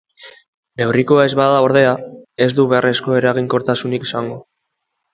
Neurrikoa ez bada, ordea, ez du beharrezko eraginkortasunik izango.